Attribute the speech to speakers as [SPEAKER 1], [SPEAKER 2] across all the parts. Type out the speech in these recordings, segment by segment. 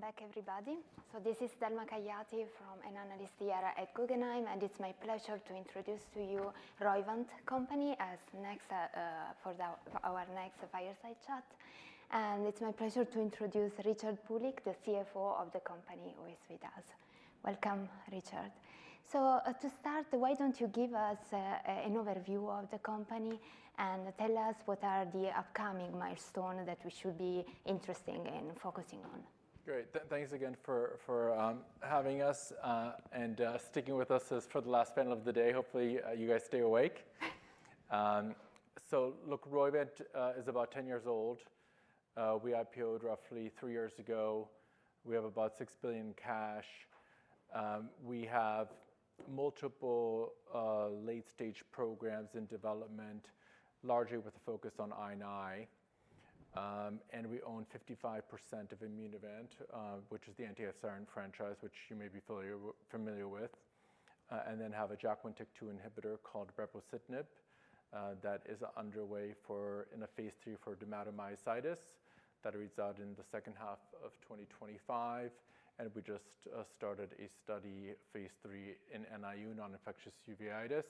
[SPEAKER 1] Welcome back, everybody. So this is Thelma Cagliati from Enana Listiera at Guggenheim, and it's my pleasure to introduce to you Roivant Company as next for our next fireside chat. And it's my pleasure to introduce Richard Pulik, the CFO of the company, who is with us. Welcome, Richard. So to start, why don't you give us an overview of the company and tell us what are the upcoming milestones that we should be interested in focusing on?
[SPEAKER 2] Great. Thanks again for having us and sticking with us for the last panel of the day. Hopefully, you guys stay awake. So look, Roivant is about 10 years old. We IPO'd roughly three years ago. We have about $6 billion in cash. We have multiple late-stage programs in development, largely with a focus on I&I. And we own 55% of Immunovant, which is the anti-FcRn franchise, which you may be familiar with, and then have a JAK1/TYK2 inhibitor called brepocitinib that is underway in a Phase III for dermatomyositis that reads out in the second half of 2025. And we just started a study Phase III in NIU, non-infectious uveitis.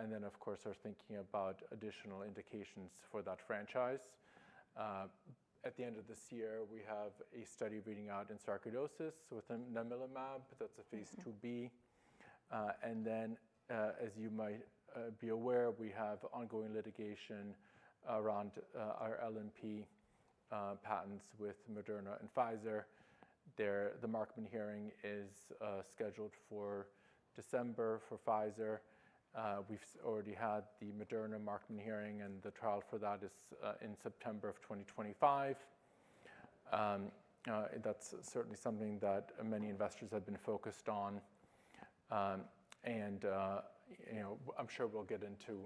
[SPEAKER 2] And then, of course, we're thinking about additional indications for that franchise. At the end of this year, we have a study reading out in sarcoidosis with namilumab. That's a Phase IIb. And then, as you might be aware, we have ongoing litigation around our LNP patents with Moderna and Pfizer. The Markman hearing is scheduled for December for Pfizer. We've already had the Moderna Markman hearing, and the trial for that is in September of 2025. That's certainly something that many investors have been focused on. And I'm sure we'll get into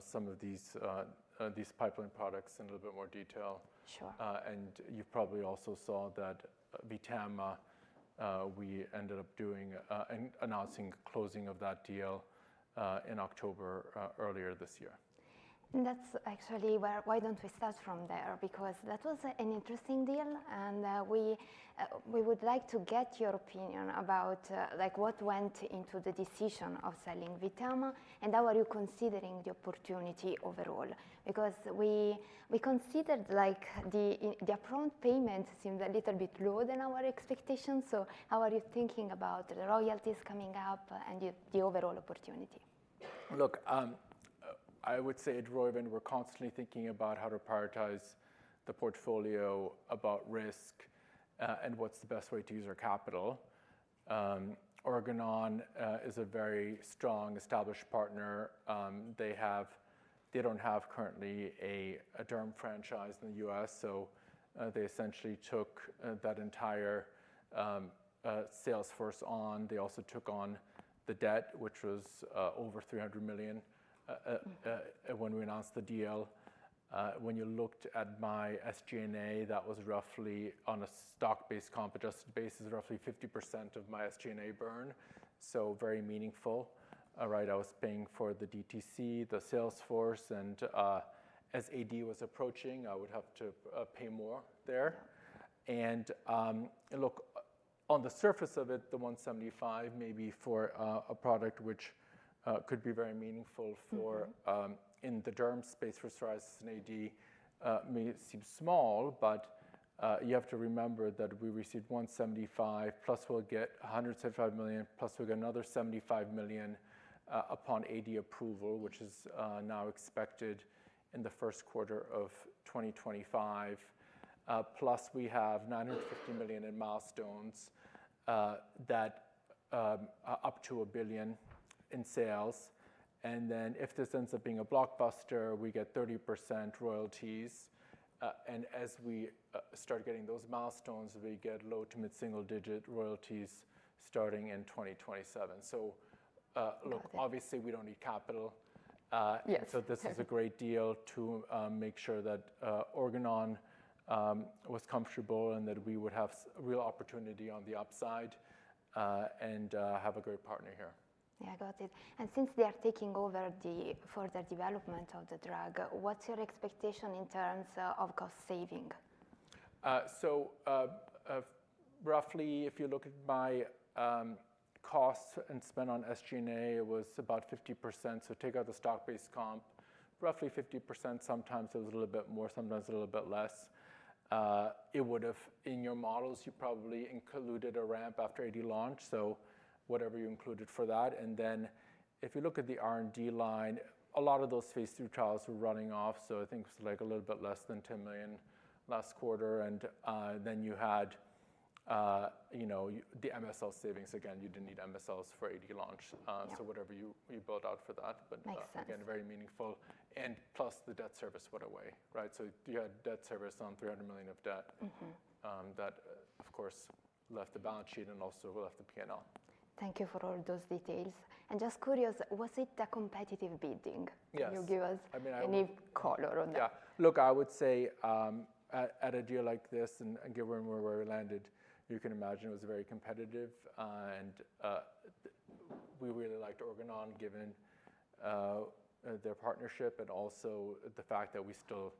[SPEAKER 2] some of these pipeline products in a little bit more detail.
[SPEAKER 1] Sure.
[SPEAKER 2] You probably also saw that Vtama, we ended up doing and announcing closing of that deal in October earlier this year.
[SPEAKER 1] That's actually why don't we start from there? Because that was an interesting deal. We would like to get your opinion about what went into the decision of selling Vtama, and how are you considering the opportunity overall? Because we considered the upfront payment seemed a little bit lower than our expectations. How are you thinking about the royalties coming up and the overall opportunity?
[SPEAKER 2] Look, I would say at Roivant, we're constantly thinking about how to prioritize the portfolio, about risk, and what's the best way to use our capital. Organon is a very strong, established partner. They don't have currently a derm franchise in the US, so they essentially took that entire sales force on. They also took on the debt, which was over $300 million when we announced the deal. When you looked at my SG&A, that was roughly on a stock-based comp adjusted basis, roughly 50% of my SG&A burn. So very meaningful, right? I was paying for the DTC, the sales force. And as AD was approaching, I would have to pay more there. And look, on the surface of it, the $175 million maybe for a product which could be very meaningful in the derm space for psoriasis and AD may seem small, but you have to remember that we received $175 million, plus we'll get $175 million, plus we'll get another $75 million upon AD approval, which is now expected in the Q1 2025. Plus we have $950 million in milestones that are up to $1 billion in sales. And then if this ends up being a blockbuster, we get 30% royalties. And as we start getting those milestones, we get low to mid-single digit royalties starting in 2027. So look, obviously we don't need capital.
[SPEAKER 1] Yes.
[SPEAKER 2] So this is a great deal to make sure that Organon was comfortable and that we would have real opportunity on the upside and have a great partner here.
[SPEAKER 1] Yeah, I got it. And since they are taking over the further development of the drug, what's your expectation in terms of cost saving?
[SPEAKER 2] So, roughly, if you look at my cost and spend on SG&A, it was about 50%. So, take out the stock-based comp. Roughly 50%. Sometimes it was a little bit more, sometimes a little bit less. It would have, in your models, you probably included a ramp after AD launch, so whatever you included for that. And then, if you look at the R&D line, a lot of those Phase III trials were running off. So, I think it was like a little bit less than $10 million last quarter. And then, you had the MSL savings. Again, you didn't need MSLs for AD launch. So, whatever you built out for that.
[SPEAKER 1] Makes sense.
[SPEAKER 2] But again, very meaningful. And plus the debt service went away, right? So you had debt service on $300 million of debt that, of course, left the balance sheet and also left the P&L.
[SPEAKER 1] Thank you for all those details. And just curious, was it a competitive bidding?
[SPEAKER 2] Yes.
[SPEAKER 1] Can you give us any color on that?
[SPEAKER 2] Yeah. Look, I would say at a deal like this and given where we landed, you can imagine it was very competitive, and we really liked Organon given their partnership and also the fact that we still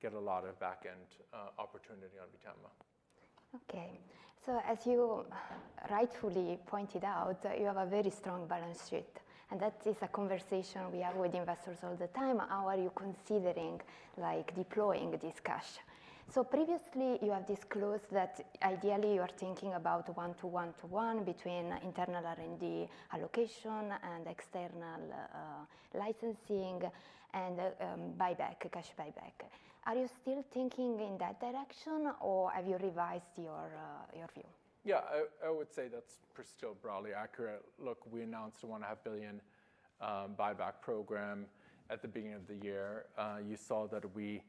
[SPEAKER 2] get a lot of back-end opportunity on Vtama.
[SPEAKER 1] Okay, so as you rightfully pointed out, you have a very strong balance sheet, and that is a conversation we have with investors all the time. How are you considering deploying this cash? So previously, you have disclosed that ideally you are thinking about one-to-one-to-one between internal R&D allocation and external licensing and buyback, cash buyback. Are you still thinking in that direction, or have you revised your view?
[SPEAKER 2] Yeah, I would say that's still broadly accurate. Look, we announced a $1.5 billion buyback program at the beginning of the year. You saw that we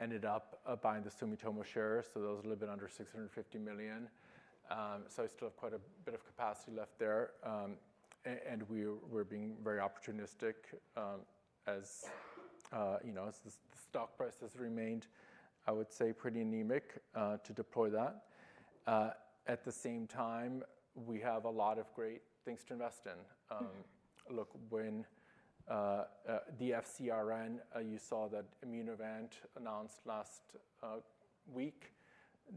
[SPEAKER 2] ended up buying the Sumitomo shares. So that was a little bit under $650 million. So I still have quite a bit of capacity left there. And we were being very opportunistic as the stock prices remained, I would say, pretty anemic to deploy that. At the same time, we have a lot of great things to invest in. Look, with the FcRn, you saw that Immunovant announced last week,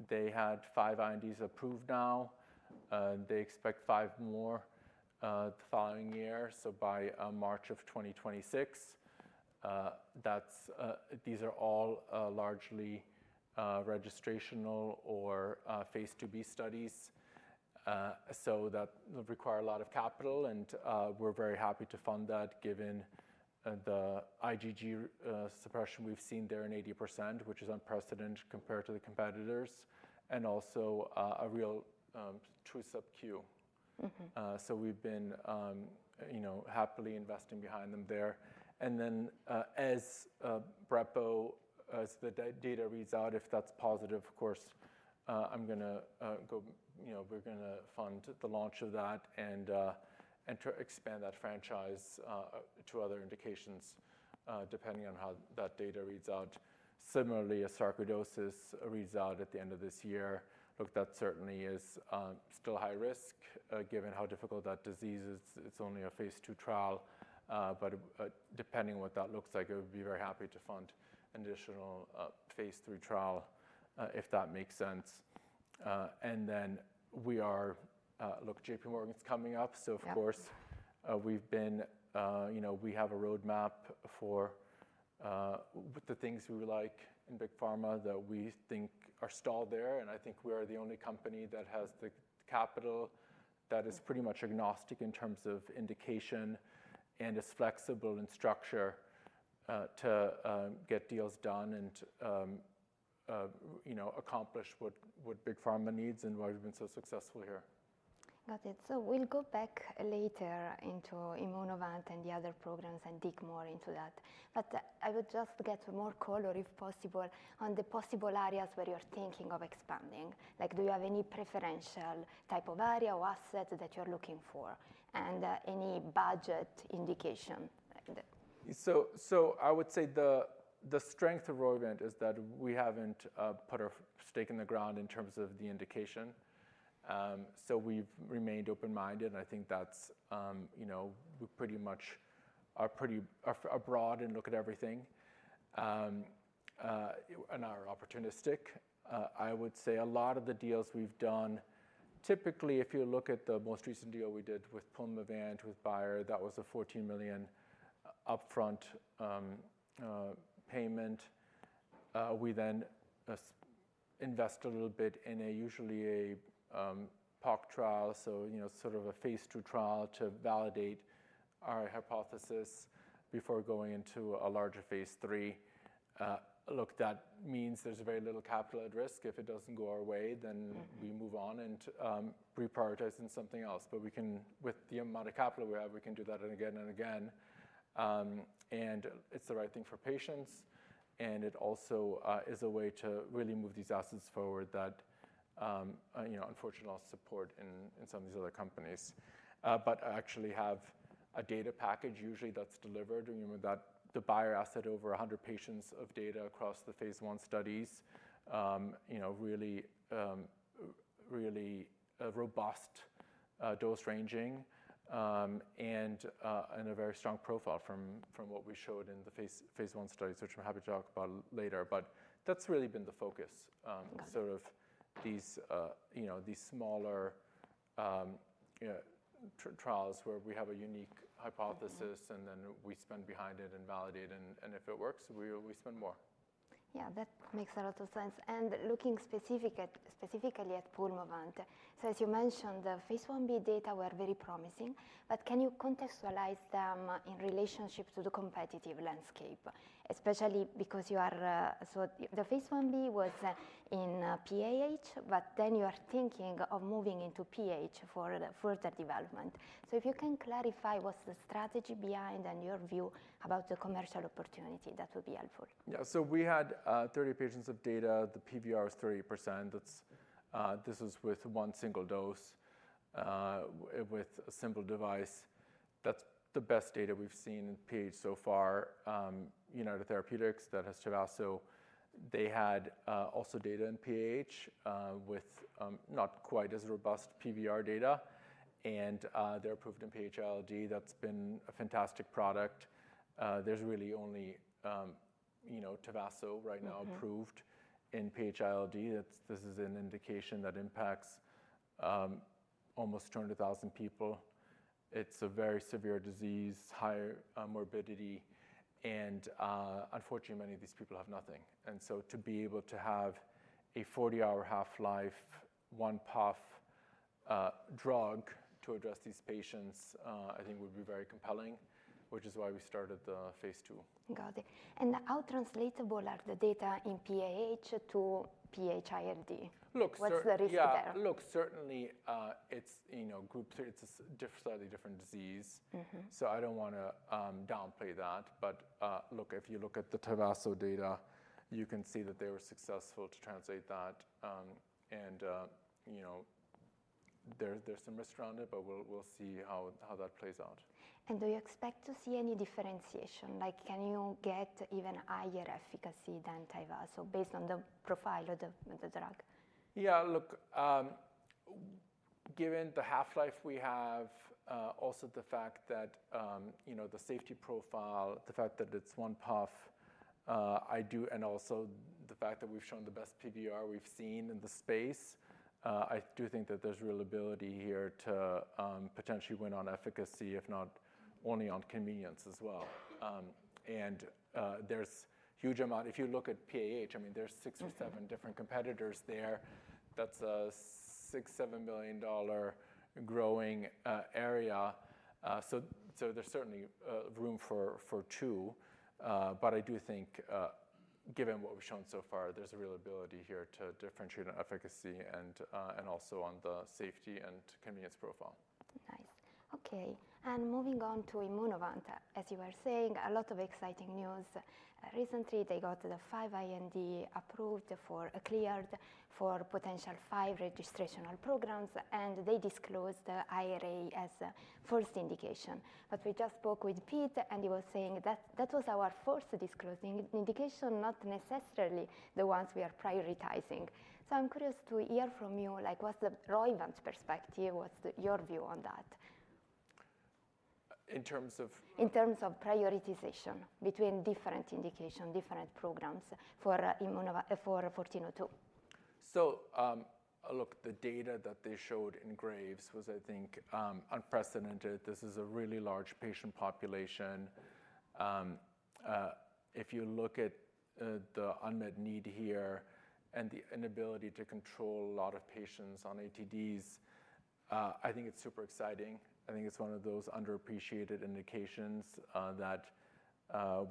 [SPEAKER 2] they had five INDs approved now. They expect five more the following year. So by March of 2026, these are all largely registrational or Phase IIb studies. So that would require a lot of capital. We're very happy to fund that given the IgG suppression we've seen there in 80%, which is unprecedented compared to the competitors, and also a real true sub-Q. So we've been happily investing behind them there. And then as brepo, as the data reads out, if that's positive, of course, I'm going to go, we're going to fund the launch of that and expand that franchise to other indications depending on how that data reads out. Similarly, sarcoidosis reads out at the end of this year. Look, that certainly is still high risk given how difficult that disease is. It's only a Phase II trial. But depending on what that looks like, I would be very happy to fund an additional Phase III trial if that makes sense. And then we are, look, J.P. Morgan's coming up. So, of course, we've been. We have a roadmap for the things we would like in big pharma that we think are stalled there, and I think we are the only company that has the capital that is pretty much agnostic in terms of indication and is flexible in structure to get deals done and accomplish what big pharma needs, and why we've been so successful here.
[SPEAKER 1] Got it. So we'll go back later into Immunovant and the other programs and dig more into that. But I would just get more color if possible on the possible areas where you're thinking of expanding. Like do you have any preferential type of area or asset that you're looking for and any budget indication?
[SPEAKER 2] I would say the strength of Roivant is that we haven't put our stake in the ground in terms of the indication. We've remained open-minded. I think that we pretty much are broad and look at everything and are opportunistic. I would say a lot of the deals we've done, typically if you look at the most recent deal we did with Pulmovant, with Bayer, that was a $14 million upfront payment. We then invest a little bit in usually a POC trial, so sort of a Phase II trial to validate our hypothesis before going into a larger Phase III. Look, that means there's very little capital at risk. If it doesn't go our way, then we move on and reprioritize in something else. But with the amount of capital we have, we can do that again and again. It's the right thing for patients. It also is a way to really move these assets forward that unfortunately lost support in some of these other companies. I actually have a data package usually that's delivered. The Bayer asset over 100 patients of data across the Phase I studies, really robust dose ranging and a very strong profile from what we showed in the Phase I studies, which I'm happy to talk about later. That's really been the focus, sort of these smaller trials where we have a unique hypothesis and then we spend behind it and validate. If it works, we spend more.
[SPEAKER 1] Yeah, that makes a lot of sense. And looking specifically at Pulmovant, so as you mentioned, the Phase Ib data were very promising. But can you contextualize them in relationship to the competitive landscape, especially because the Phase Ib was in PAH, but then you are thinking of moving into PH-ILD for further development. So if you can clarify what's the strategy behind and your view about the commercial opportunity, that would be helpful.
[SPEAKER 2] Yeah, so we had 30 patients of data. The PVR was 30%. This was with one single dose with a simple device. That's the best data we've seen in PAH so far. United Therapeutics, that has Tyvaso, they had also data in PAH with not quite as robust PVR data. And they're approved in PH-ILD. That's been a fantastic product. There's really only Tyvaso right now approved in PH-ILD. This is an indication that impacts almost 200,000 people. It's a very severe disease, high morbidity. And unfortunately, many of these people have nothing. And so to be able to have a 40-hour half-life, one puff drug to address these patients, I think would be very compelling, which is why we started the Phase II.
[SPEAKER 1] Got it. And how translatable are the data in PAH to PH-ILD? What's the risk there?
[SPEAKER 2] Look, certainly it's a slightly different disease. So I don't want to downplay that. But look, if you look at the Tyvaso data, you can see that they were successful to translate that. And there's some risk around it, but we'll see how that plays out.
[SPEAKER 1] Do you expect to see any differentiation? Like can you get even higher efficacy than Tyvaso based on the profile of the drug?
[SPEAKER 2] Yeah, look, given the half-life we have, also the fact that the safety profile, the fact that it's one puff, and also the fact that we've shown the best PVR we've seen in the space, I do think that there's real ability here to potentially win on efficacy, if not only on convenience as well, and there's a huge amount. If you look at PAH, I mean, there's six or seven different competitors there. That's a $6-$7 million growing area, so there's certainly room for two, but I do think given what we've shown so far, there's a real ability here to differentiate on efficacy and also on the safety and convenience profile.
[SPEAKER 1] Nice. Okay. And moving on to Immunovant, as you were saying, a lot of exciting news. Recently, they got five INDs cleared for potential five registrational programs. And they disclosed the ITP as a first indication. But we just spoke with Pete, and he was saying that that was our first disclosing indication, not necessarily the ones we are prioritizing. So I'm curious to hear from you, like what's the Roivant perspective? What's your view on that?
[SPEAKER 2] In terms of?
[SPEAKER 1] In terms of prioritization between different indications, different programs for 1402.
[SPEAKER 2] So look, the data that they showed in Graves' was, I think, unprecedented. This is a really large patient population. If you look at the unmet need here and the inability to control a lot of patients on ATDs, I think it's super exciting. I think it's one of those underappreciated indications that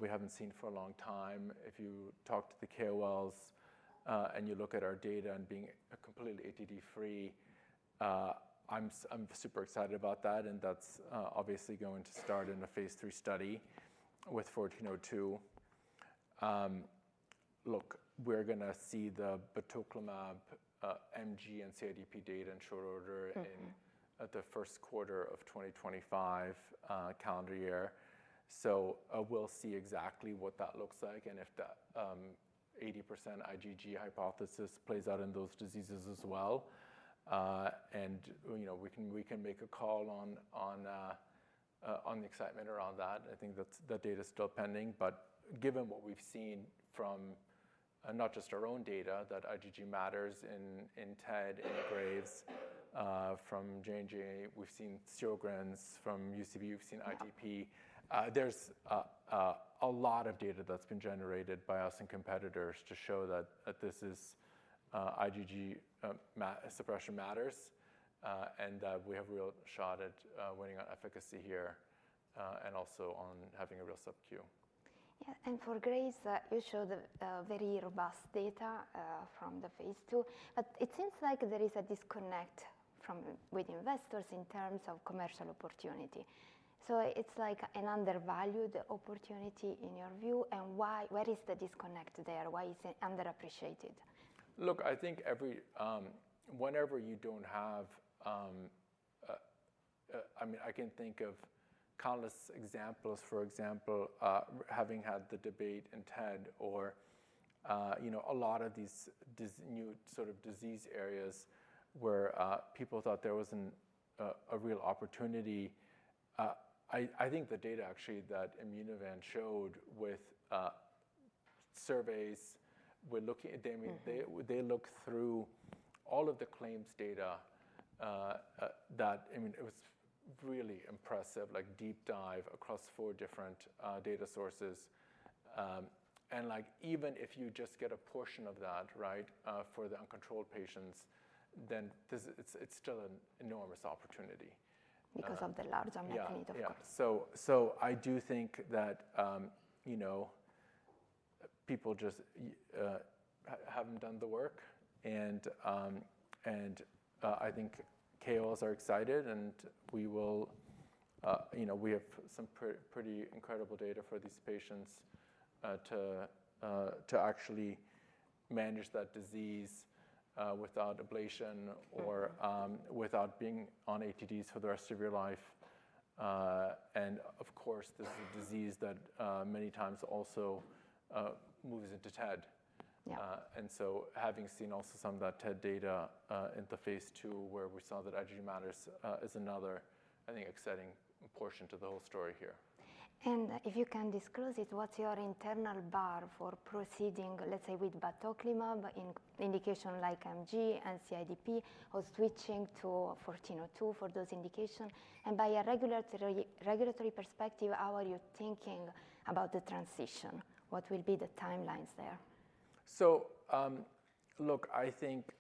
[SPEAKER 2] we haven't seen for a long time. If you talk to the KOLs and you look at our data and being completely ATD-free, I'm super excited about that. And that's obviously going to start in a Phase III study with 1402. Look, we're going to see the batoclimab, MG, and CIDP data in short order in the Q1 2025 calendar year. So we'll see exactly what that looks like and if the 80% IgG hypothesis plays out in those diseases as well. And we can make a call on the excitement around that. I think that data is still pending. But given what we've seen from not just our own data, that IgG matters in TED, in Graves', from J&J, we've seen Sjogren's from UCB, we've seen ITP. There's a lot of data that's been generated by us and competitors to show that this is IgG suppression matters. And we have a real shot at winning on efficacy here and also on having a real sub-Q.
[SPEAKER 1] Yeah. And for Graves, you showed very robust data from the Phase II. But it seems like there is a disconnect with investors in terms of commercial opportunity. So it's like an undervalued opportunity in your view. And where is the disconnect there? Why is it underappreciated?
[SPEAKER 2] Look, I think whenever you don't have, I mean, I can think of countless examples, for example, having had the debate in TED or a lot of these new sort of disease areas where people thought there wasn't a real opportunity. I think the data actually that Immunovant showed with surveys, we're looking at them. They look through all of the claims data that, I mean, it was really impressive, like deep dive across four different data sources, and even if you just get a portion of that, right, for the uncontrolled patients, then it's still an enormous opportunity.
[SPEAKER 1] Because of the large amount of need, of course.
[SPEAKER 2] Yeah. So I do think that people just haven't done the work. And I think KOLs are excited. And we have some pretty incredible data for these patients to actually manage that disease without ablation or without being on ATDs for the rest of your life. And of course, this is a disease that many times also moves into TED. And so having seen also some of that TED data in the Phase II where we saw that IgG matters is another, I think, exciting portion to the whole story here.
[SPEAKER 1] And if you can disclose it, what's your internal bar for proceeding, let's say with batoclimab indication like MG and CIDP or switching to 1402 for those indications? And by a regulatory perspective, how are you thinking about the transition? What will be the timelines there?
[SPEAKER 2] So look, I think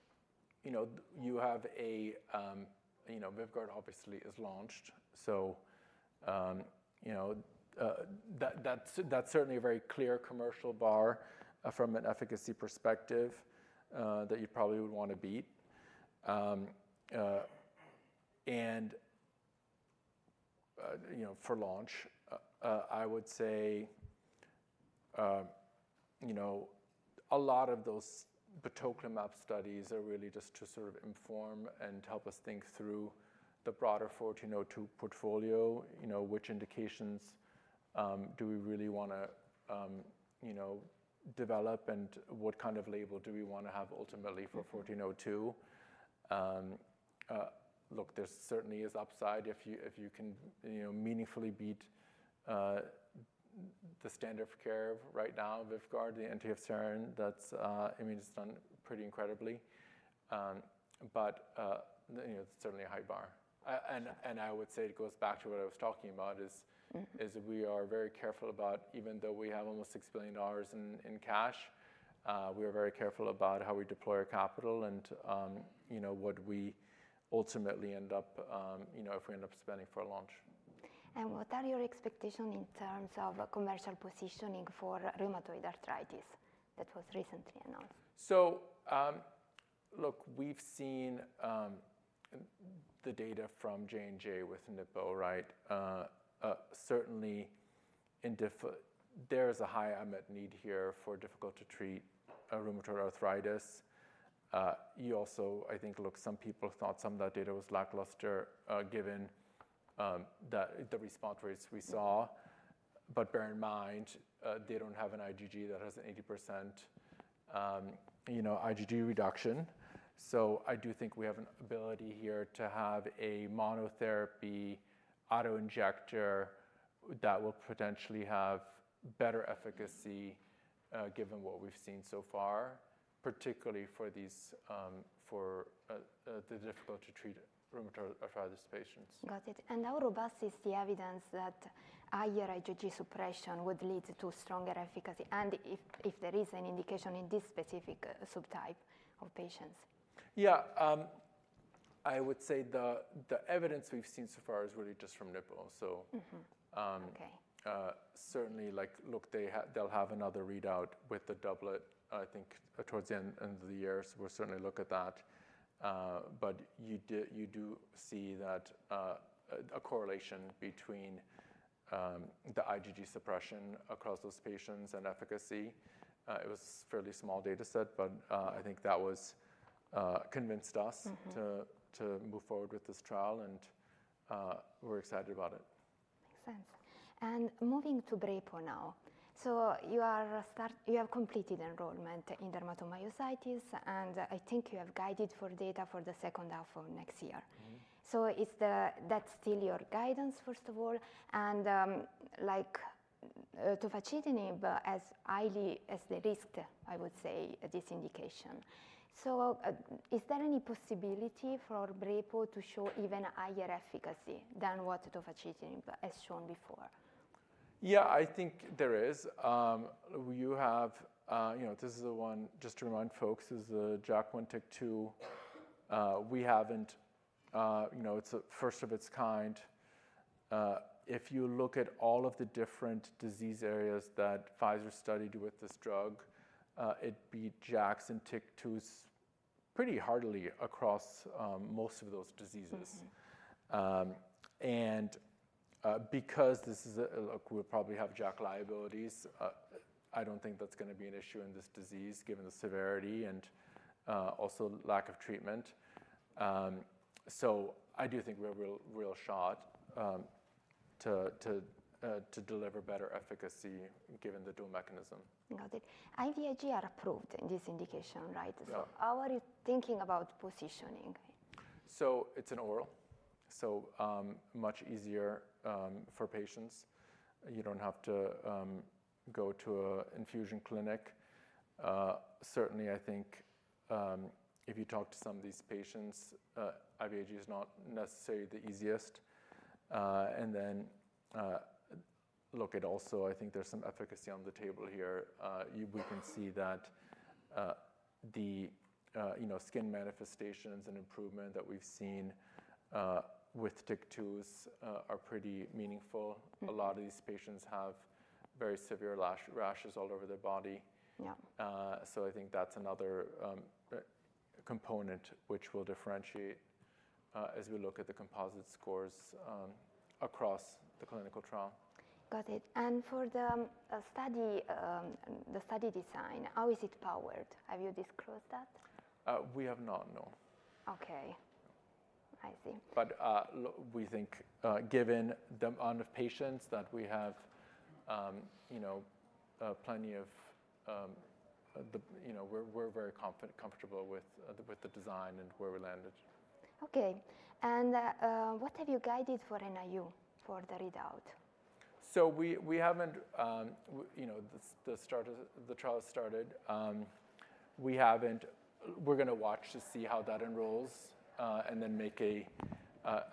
[SPEAKER 2] you have a Vyvgart obviously is launched. So that's certainly a very clear commercial bar from an efficacy perspective that you probably would want to beat. And for launch, I would say a lot of those batoclimab studies are really just to sort of inform and help us think through the broader 1402 portfolio, which indications do we really want to develop and what kind of label do we want to have ultimately for 1402. Look, there certainly is upside if you can meaningfully beat the standard of care right now, Vyvgart, the anti-FcRn. I mean, it's done pretty incredibly. But certainly a high bar. I would say it goes back to what I was talking about. We are very careful about, even though we have almost $6 billion in cash, how we deploy our capital and what we ultimately end up, if we end up spending for a launch.
[SPEAKER 1] And what are your expectations in terms of commercial positioning for rheumatoid arthritis that was recently announced?
[SPEAKER 2] So look, we've seen the data from J&J with nipocalimab, right? Certainly, there is a high unmet need here for difficult to treat rheumatoid arthritis. You also, I think, look, some people thought some of that data was lackluster given the response rates we saw. But bear in mind, they don't have an IgG that has an 80% IgG reduction. So I do think we have an ability here to have a monotherapy auto injector that will potentially have better efficacy given what we've seen so far, particularly for the difficult to treat rheumatoid arthritis patients.
[SPEAKER 1] Got it. And how robust is the evidence that higher IgG suppression would lead to stronger efficacy? And if there is an indication in this specific subtype of patients?
[SPEAKER 2] Yeah, I would say the evidence we've seen so far is really just from nipocalimab. So certainly, look, they'll have another readout with the doublet, I think, towards the end of the year. So we'll certainly look at that. But you do see that a correlation between the IgG suppression across those patients and efficacy. It was a fairly small data set, but I think that convinced us to move forward with this trial, and we're excited about it.
[SPEAKER 1] Makes sense. And moving to Brepo now. So you have completed enrollment in dermatomyositis. And I think you have guided for data for the second half of next year. So that's still your guidance, first of all. And like tofacitinib as highly as the risk, I would say, this indication. So is there any possibility for Brepo to show even higher efficacy than what tofacitinib has shown before?
[SPEAKER 2] Yeah, I think there is. This is the one, just to remind folks, is the JAK1 TYK2. We haven't, it's a first of its kind. If you look at all of the different disease areas that Pfizer studied with this drug, it beat JAKs and TYK2s pretty handily across most of those diseases. And because this is, look, we'll probably have JAK liabilities, I don't think that's going to be an issue in this disease given the severity and also lack of treatment. So I do think we have a real shot to deliver better efficacy given the dual mechanism.
[SPEAKER 1] Got it. IVIG are approved in this indication, right? So how are you thinking about positioning?
[SPEAKER 2] So it's an oral. So much easier for patients. You don't have to go to an infusion clinic. Certainly, I think if you talk to some of these patients, IVIG is not necessarily the easiest. And then look at also, I think there's some efficacy on the table here. We can see that the skin manifestations and improvement that we've seen with TYK2s are pretty meaningful. A lot of these patients have very severe rashes all over their body. So I think that's another component which will differentiate as we look at the composite scores across the clinical trial.
[SPEAKER 1] Got it. And for the study design, how is it powered? Have you disclosed that?
[SPEAKER 2] We have not. No.
[SPEAKER 1] Okay. I see.
[SPEAKER 2] But we think, given the amount of patients that we have, we're very comfortable with the design and where we landed.
[SPEAKER 1] Okay, and what have you guided for NIU for the readout?
[SPEAKER 2] So we have. The trial started. We're going to watch to see how that enrolls and then make an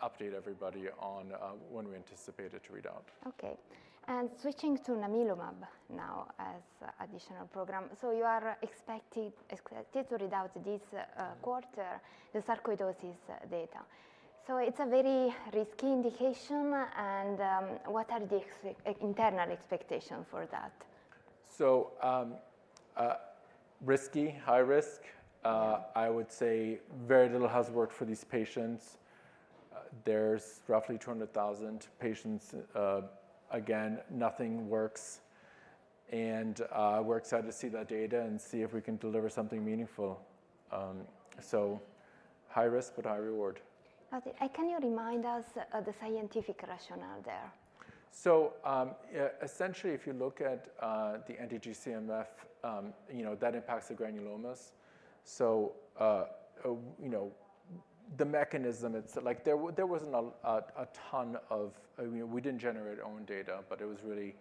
[SPEAKER 2] update to everybody on when we anticipate it to readout.
[SPEAKER 1] Okay. And switching to namilumab now as an additional program. So you are expected to readout this quarter the sarcoidosis data. So it's a very risky indication. And what are the internal expectations for that?
[SPEAKER 2] So, risky, high risk. I would say very little has worked for these patients. There's roughly 200,000 patients. Again, nothing works. And we're excited to see that data and see if we can deliver something meaningful. So, high risk, but high reward.
[SPEAKER 1] Can you remind us of the scientific rationale there?
[SPEAKER 2] Essentially, if you look at the anti-GM-CSF, that impacts the granulomas. The mechanism, it's like there wasn't a ton of, we didn't generate our own data, but it was really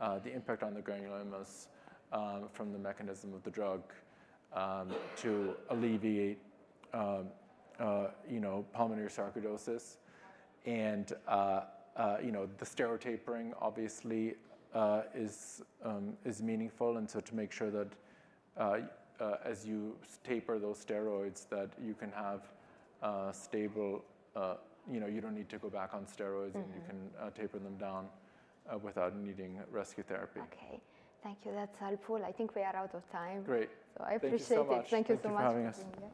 [SPEAKER 2] the impact on the granulomas from the mechanism of the drug to alleviate pulmonary sarcoidosis. The steroid tapering, obviously, is meaningful, to make sure that as you taper those steroids, that you can have stable, you don't need to go back on steroids, and you can taper them down without needing rescue therapy.
[SPEAKER 1] Okay. Thank you. That's helpful. I think we are out of time.
[SPEAKER 2] Great.
[SPEAKER 1] So I appreciate it. Thank you so much.
[SPEAKER 2] Thanks for having us.